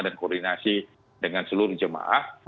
dan koordinasi dengan seluruh jemaah